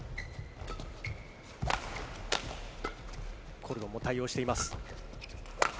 コルドンも対応しています。